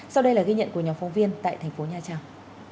sau đây là ghi nhận của nhóm phóng viên tại thành phố nha trang